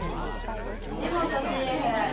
藤本チーフ。